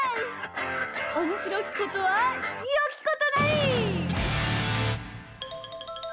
「おもしろきことはよきことなり」！